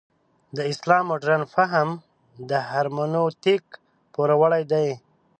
د اسلام مډرن فهم د هرمنوتیک پوروړی دی.